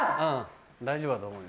大丈夫だと思うよ。